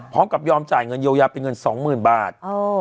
พร้อมกับยอมจ่ายเงินเยียวยาเป็นเงิน๒๐๐๐บาท